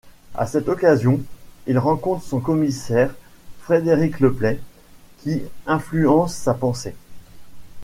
À cette occasion, il rencontre son commissaire, Frédéric Le Play, qui influence sa pensée.